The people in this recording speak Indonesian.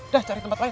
dah cari tempat lain